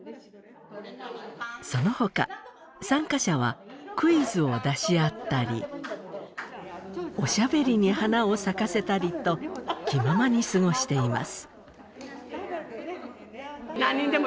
その他参加者はクイズを出し合ったりおしゃべりに花を咲かせたりと気ままに過ごしています。